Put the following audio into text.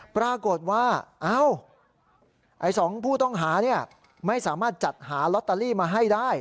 ปรากฏว่าไอ้๒ผู้ต้องหาไม่สามารถจัดหาลอตเตอรี่มาให้ได้